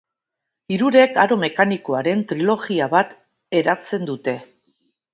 Hirurek aro mekanikoaren trilogia bat eratzen dute.